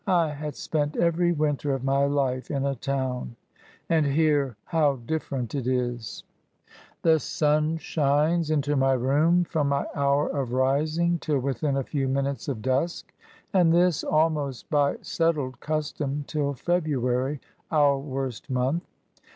I had spent every winter of my life in a town ; and here, how diflferent it is ! NATURE TO THE INVALID. 51 The sun shines into my room from my hour of rising till within a few minutes of dusk^ and this, almost by settled custom, till February, our worst month.